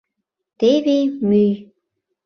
Теве мӱй.